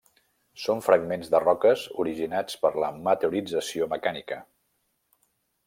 Són fragments de roques originats per la meteorització mecànica.